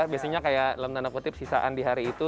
biasanya kayak dalam tanda kutip sisaan di hari itu